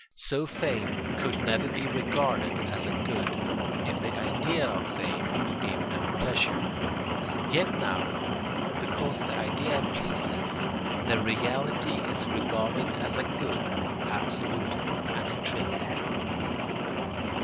So fame could never be regarded as a good if the idea of fame gave no pleasure; yet now, because the idea pleases, the reality is regarded as a good, absolute and intrinsic.